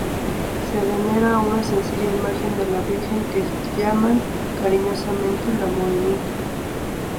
Se venera una sencilla imagen de la Virgen que llaman cariñosamente la Morenita.